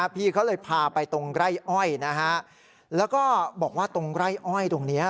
พี่เขาเลยพาไปตรงไร่อ้อยนะฮะแล้วก็บอกว่าตรงไร่อ้อยตรงนี้